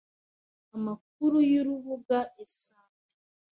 Amakuru y’urubuga e-sante